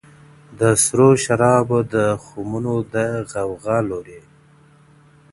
د سرو شرابو د خُمونو د غوغا لوري.